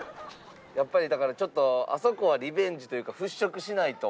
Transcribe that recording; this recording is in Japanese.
やっぱりだからちょっとあそこはリベンジというか払拭しないと。